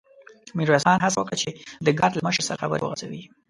ميرويس خان هڅه وکړه چې د ګارد له مشر سره خبرې وغځوي.